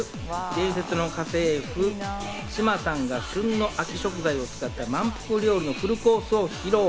伝説の家政婦・志麻さんが旬の秋食材を使った満腹料理のフルコースを披露。